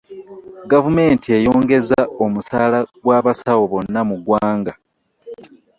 Gavumenti eyongeeza omusaala awa basaawo bonna mu ggwanga.